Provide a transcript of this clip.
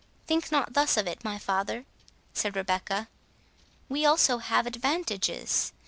"Think not thus of it, my father," said Rebecca; "we also have advantages.